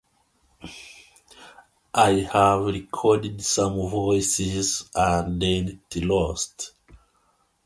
The team played its home games at Fordham Field in The Bronx.